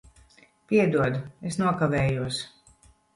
Piedod, es nokavējos.